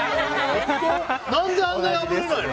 何であんなに破れないの？